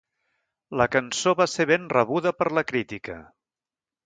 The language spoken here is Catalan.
La cançó va ser ben rebuda per la crítica.